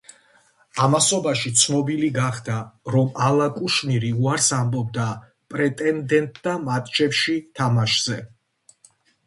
ამასობაში ცნობილი გახდა რომ ალა კუშნირი უარს ამბობდა პრეტენდენტთა მატჩებში თამაშზე.